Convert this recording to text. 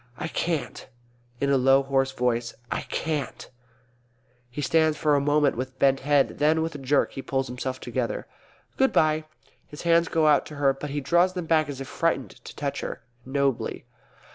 _ I can't. (In a low hoarse voice) I can't! (He stands for a moment with bent head; then with a jerk he pulls himself together.) Good bye! _(His hands go out to her, but he draws them back as if frightened to touch her. Nobly.)